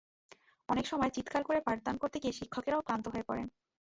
অনেক সময় চিত্কার করে পাঠদান করতে গিয়ে শিক্ষকেরাও ক্লান্ত হয়ে পড়েন।